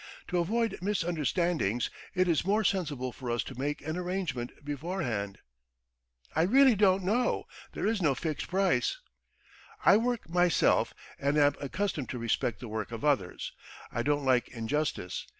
To avoid misunderstandings it is more sensible for us to make an arrangement beforehand." "I really don't know there is no fixed price." "I work myself and am accustomed to respect the work of others. I don't like injustice.